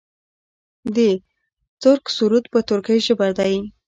د ترک سرود په ترکۍ ژبه دی.